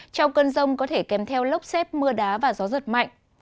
trong cơn rông có thể kèm theo lốc xét mưa đá và gió giật mạnh